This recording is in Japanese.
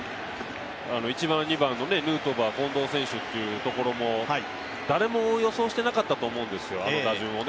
１番、２番のヌートバー近藤選手というところも誰も予想してなかったと思うんですよ、あの打順を。